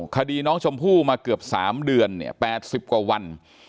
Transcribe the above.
คดีน้องชมพู่มาเกือบ๓เดือนเนี่ย๘๐กว่าวัน